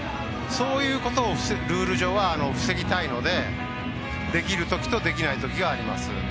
そういうことをルール上は防ぎたいのでできるときとできないときがあります。